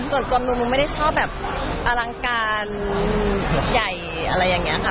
ส่วนกลางมือมึงไม่ได้ชอบอลังการใหญ่อะไรอย่างนี้ค่ะ